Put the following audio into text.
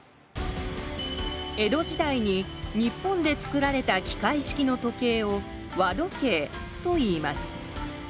江戸時代に日本でつくられた機械式の時計を「和時計」といいます。